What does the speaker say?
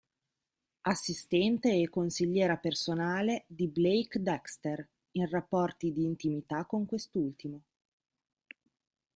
Assistente e consigliera personale di Blake Dexter, in rapporti di intimità con quest'ultimo.